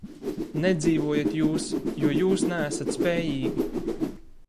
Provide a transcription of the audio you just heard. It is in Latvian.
Nedzīvojat jūs, jo jūs neesat spējīgi.